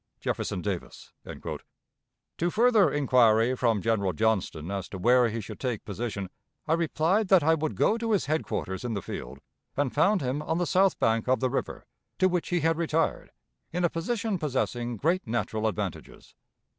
"Jefferson Davis." To further inquiry from General Johnston as to where he should take position, I replied that I would go to his headquarters in the field, and found him on the south bank of the river, to which he had retired, in a position possessing great natural advantages.